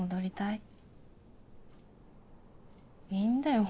いいんだよ